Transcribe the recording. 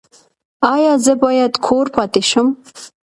ایا زه باید کور پاتې شم؟